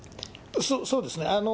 そうですね。